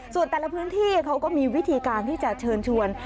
ส่วนแต่ละพื้นที่เขาก็มีวิธีการที่จะเชิญชวน